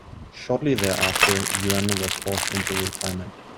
Shortly thereafter Yuan was forced into retirement.